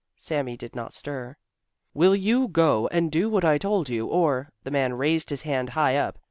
Sami did not stir. "Will you go and do what I told you, or " The man raised his hand high up.